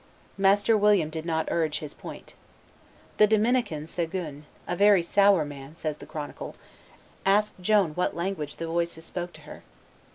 Master William did not urge his point. The Dominican, Seguin, "a very sour man," says the chronicle, asked Joan what language the voices spoke to her.